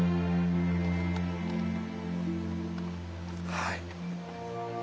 はい。